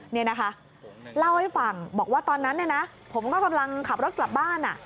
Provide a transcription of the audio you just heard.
นี่นะคะเล่าให้ฟังบอกว่าตอนนั้นเนี่ยนะผมก็กำลังขับรถกลับบ้าน